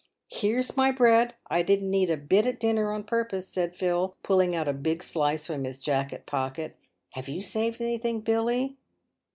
"" Here's my bread ; I didn't eat a bit at dinner on purpose," said Phil, pulling out a big slice from his jacket pocket. " Have you saved anything, Billy